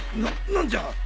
なんじゃ！？